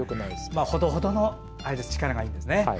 ほどほどの力がいいんですね。